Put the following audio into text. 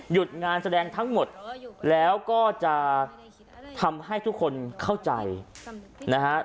งานแสดงทั้งหมดแล้วก็จะทำให้ทุกคนเข้าใจนะฮะ